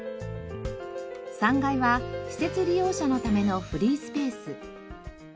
３階は施設利用者のためのフリースペース。